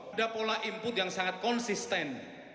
ada pola input yang sangat konsisten